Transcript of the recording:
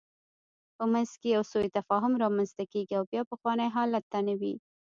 په منځ کې یې سوء تفاهم رامنځته کېږي او بیا پخوانی حالت نه وي.